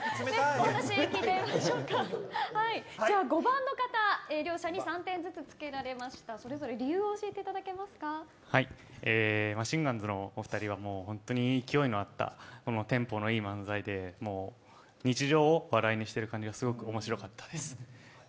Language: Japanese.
じゃあ５番の方両者に３点ずつ、つけられましたそれぞれ理由をマシンガンズのお二人は勢いのあったテンポのいい漫才で日常を笑いにしている感じがすごく面白かったです。